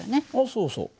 そうそう。